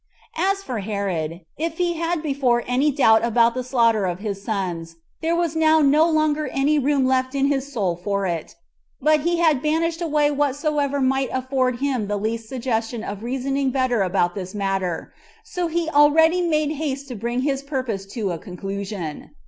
7. As for Herod, if he had before any doubt about the slaughter of his sons, there was now no longer any room left in his soul for it; but he had banished away whatsoever might afford him the least suggestion of reasoning better about this matter, so he already made haste to bring his purpose to a conclusion.